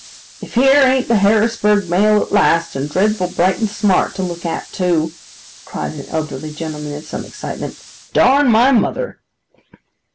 'If here ain't the Harrisburg mail at last, and dreadful bright and smart to look at too,' cried an elderly gentleman in some excitement, 'darn my mother!